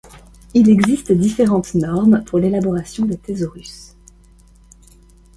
Il existe différentes normes pour l'élaboration des thésaurus.